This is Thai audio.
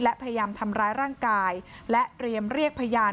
และพยายามทำร้ายร่างกายและเตรียมเรียกพยาน